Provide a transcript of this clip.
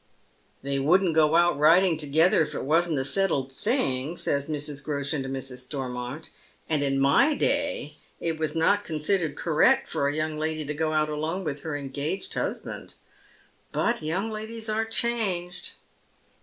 "They wouldn't go out riding together if it wasn't a settled thing," says Mrs. Groshen to Mrs. Stoi mont, " and in my day it was not considered correct for a young lady to go out alone with her engaged husband. But young ladies are changed."